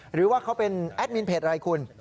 หรือว่าเขาเป็นแอดมินเพจอะไรคุณ